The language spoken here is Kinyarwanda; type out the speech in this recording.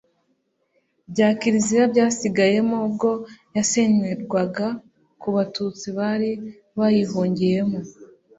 bya Kiliziya byasigayemo ubwo yasenyerwaga ku Batutsi bari bayihungiyemo